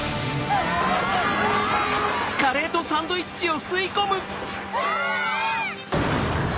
うわ！